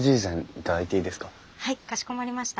はいかしこまりました。